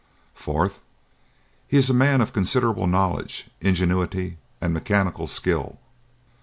"Fourth: He is a man of considerable knowledge, ingenuity and mechanical skill.